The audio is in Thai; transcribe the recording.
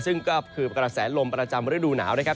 ซึ่งก็คือกระแสลมประจำฤดูหนาวนะครับ